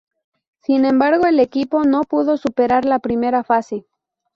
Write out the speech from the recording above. Sin embargo, el equipo no pudo superar la primera fase.